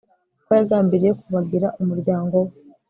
kuko yagambiriye kubagira umuryango we